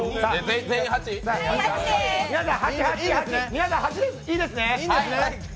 皆さん、８、いいですね？